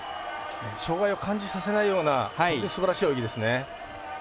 障がいを感じさせないような本当にすばらしい泳ぎですね。